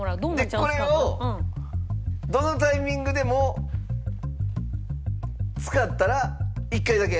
でこれをどのタイミングでも使ったら一回だけ。